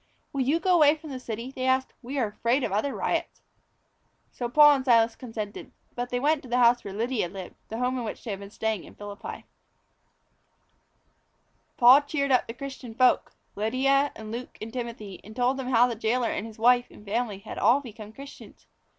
"Will you go away from the city?" they asked. "We are afraid of other riots." So Paul and Silas consented. But they went to the house where Lydia lived the home in which they had been staying in Philippi. Paul cheered up the other Christian folk Lydia and Luke and Timothy and told them how the jailor and his wife and family had all become Christians.